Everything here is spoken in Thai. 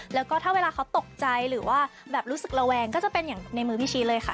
แล้วก็ถ้าเวลาเขาตกใจหรือว่าแบบรู้สึกระแวงก็จะเป็นอย่างในมือพี่ชี้เลยค่ะ